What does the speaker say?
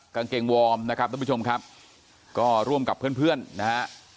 กางเกงวอร์มนะครับท่านผู้ชมครับก็ร่วมกับเพื่อนเพื่อนนะฮะ